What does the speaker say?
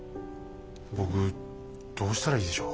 僕どうしたらいいでしょう。